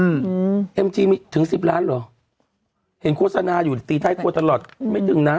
อืมเอ็มจีมีถึงสิบล้านเหรอเห็นโฆษณาอยู่ตีท้ายครัวตลอดไม่ถึงนะ